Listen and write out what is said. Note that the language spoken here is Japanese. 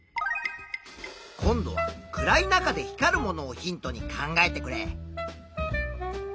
今度は暗い中で光るものをヒントに考えてくれ。